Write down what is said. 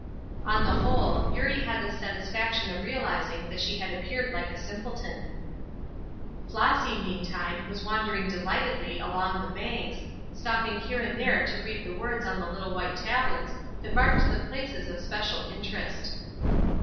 On the whole, Eurie had the satisfaction of realizing that she had appeared like a simpleton. Flossy, meantime, was wandering delightedly along the banks, stopping here and there to read the words on the little white tablets that marked the places of special interest.